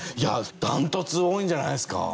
ダントツ多いんじゃないんですか？